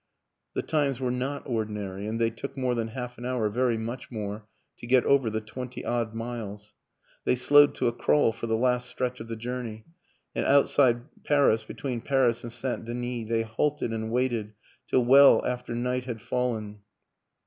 The times were not ordinary and they took more than half an hour very much more to get over the twenty odd miles. They slowed to a crawl for the last stretch of the journey, and outside Paris, between Paris and St. Denis, they halted and waited till well after night had fallen.